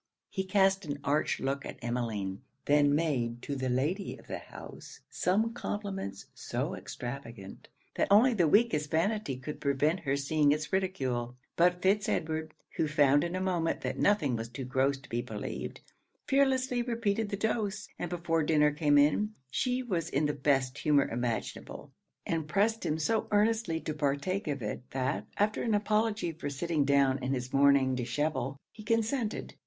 He cast an arch look at Emmeline; then made to the Lady of the house some compliments so extravagant, that only the weakest vanity could prevent her seeing its ridicule. But Fitz Edward, who found in a moment that nothing was too gross to be believed, fearlessly repeated the dose; and before dinner came in, she was in the best humour imaginable, and pressed him so earnestly to partake of it, that, after an apology for sitting down in his morning dishabille, he consented.